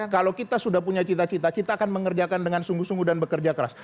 kalau kita sudah punya cita cita kita akan mengerjakan dengan sungguh sungguh dan bekerja keras